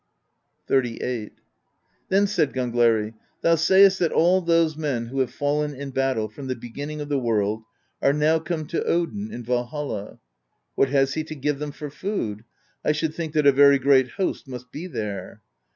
XXXVIII. Then said Gangleri: "Thou sayest that all those men who have fallen in battle from the beginning of the world are now come to Odin in Valhall. What has he to give them for food ? I should think that a very great host must be there."